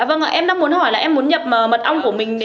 dạ vâng ạ em đang muốn hỏi là em muốn nhập mật ong của mình này ạ